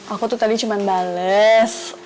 aku tuh tadi cuma bales